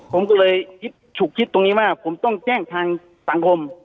ผมก็เลยคิดฉุกคิดตรงนี้ว่าผมต้องแจ้งทางสังคม